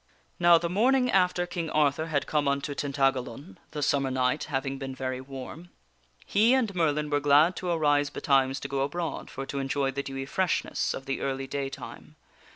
Now the morning after King Arthur had come unto Tintagalon (the summer night having been very warm), he and Merlin were glad to arise betimes to go abroad for to enjoy the dewy freshness of the early day time.